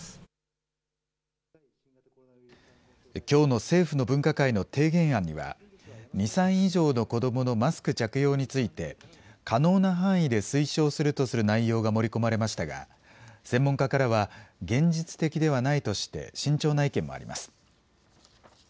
きょうの政府の分科会の提言案には、２歳以上の子どものマスク着用について、可能な範囲で推奨するとする内容が盛り込まれましたが、専門家からは、現実的ではないとして、慎重な意見もあります。